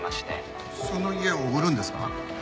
その家を売るんですか？